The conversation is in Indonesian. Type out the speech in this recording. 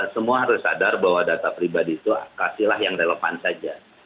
semua harus sadar bahwa data pribadi itu kasihlah yang relevan saja